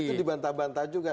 itu dibantah bantah juga